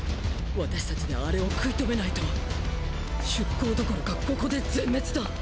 私たちでアレを食い止めないと出港どころかここで全滅だ！！